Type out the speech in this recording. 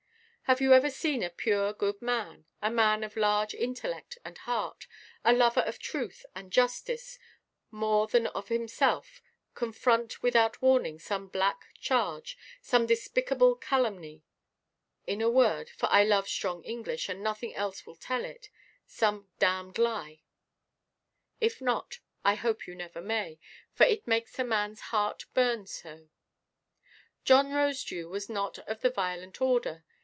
Have you ever seen a pure good man, a man of large intellect and heart, a lover of truth and justice more than of himself, confront, without warning, some black charge, some despicable calumny, in a word (for I love strong English, and nothing else will tell it), some damned lie? If not, I hope you never may, for it makes a manʼs heart burn so. John Rosedew was not of the violent order.